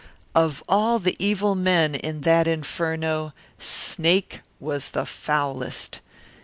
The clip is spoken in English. Of all the evil men in that inferno, Snake was the foulest.